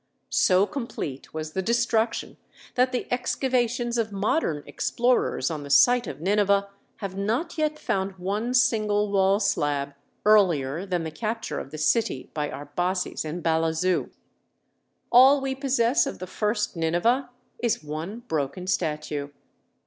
So complete was the destruction that the excavations of modern explorers on the site of Nineveh have not yet found one single wall slab earlier than the capture of the city by Arbaces and Balazu. All we possess of the first Nineveh is one broken statue.